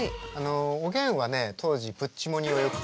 おげんはね当時プッチモニをよく聴いて。